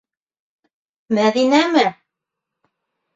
Мәҙинәме?